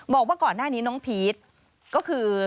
บอกว่าก่อนหน้านี้น้องพีชก็คือ